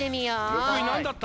６いなんだった？